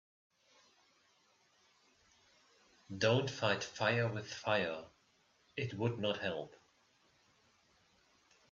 Don‘t fight fire with fire, it would not help.